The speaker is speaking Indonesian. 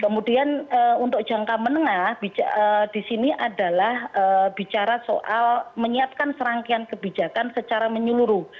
kemudian untuk jangka menengah disini adalah bicara soal menyiapkan serangkian kebijakan secara menyeluruh